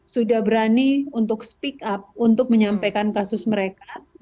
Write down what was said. sudah berani untuk speak up untuk menyampaikan kasus mereka